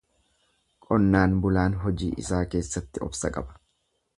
Qonnaan bulaan hojii isaa keessatti obsa qaba.